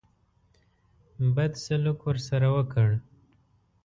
بد سلوک ورسره وکړ.